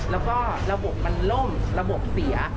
แล้วก็ระบบมันล่มระบบเสีย